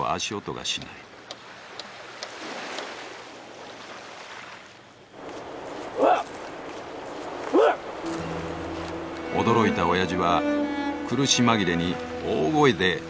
驚いたおやじは苦し紛れに大声で怒鳴りつけた。